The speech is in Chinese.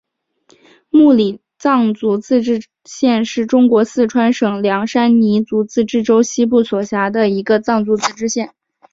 木里藏族自治县是中国四川省凉山彝族自治州西部所辖的一个藏族自治县。